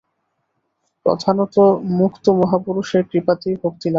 প্রধানত মুক্ত মহাপুরুষের কৃপাতেই ভক্তিলাভ হয়।